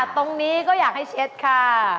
ตรงนี้ก็อยากให้เช็ดค่ะ